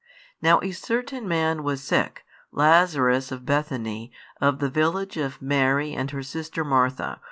Now a certain man was sick, Lazarus of Bethany, of the village of Mary and her sister Martha.